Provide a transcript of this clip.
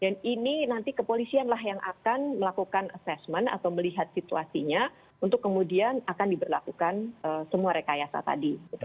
ini nanti kepolisian lah yang akan melakukan assessment atau melihat situasinya untuk kemudian akan diberlakukan semua rekayasa tadi